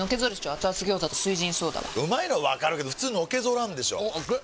アツアツ餃子と「翠ジンソーダ」はうまいのはわかるけどフツーのけぞらんでしょアツ！